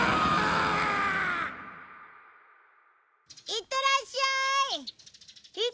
いってらっしゃーい。